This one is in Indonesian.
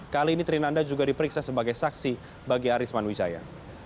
kali ini trinanda juga diperiksa sebagai saksi bagi arisman wijaya